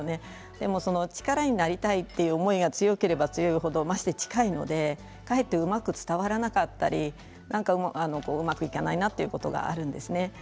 でも力になりたいという思いが強ければ強い程まして近いのでかえってうまく伝わらなかったりうまくいかないなということがあるんですね。